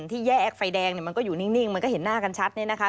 ที่แยกไฟแดงเนี่ยมันก็อยู่นิ่งมันก็เห็นหน้ากันชัดเนี่ยนะคะ